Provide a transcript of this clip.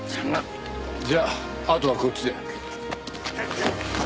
じゃああとはこっちで。